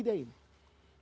dengan amal soleh